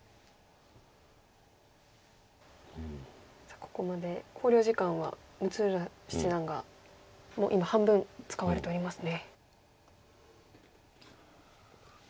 さあここまで考慮時間は六浦七段がもう今半分使われておりますね。